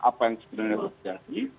apa yang sebenarnya